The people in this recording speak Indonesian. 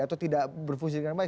atau tidak berfungsi dengan baik